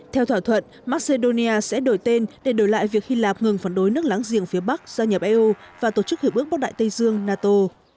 theo thỏa thuận macedonia sẽ đổi tên để đổi lại việc hy lạp ngừng phản đối nước láng giềng phía bắc gia nhập eu và tổ chức hữu ước bóng đại tây dương nato